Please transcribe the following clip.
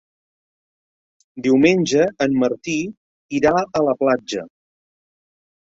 Diumenge en Martí irà a la platja.